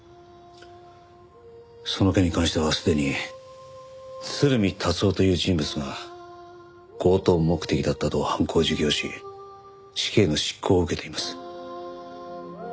その件に関してはすでに鶴見達男という人物が強盗目的だったと犯行を自供し死刑の執行を受けています。